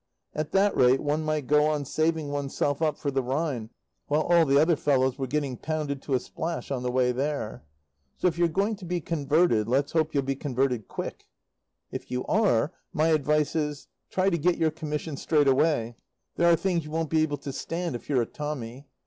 At that rate one might go on saving oneself up for the Rhine, while all the other fellows were getting pounded to a splash on the way there. So if you're going to be converted let's hope you'll be converted quick. If you are, my advice is, try to get your commission straight away. There are things you won't be able to stand if you're a Tommy.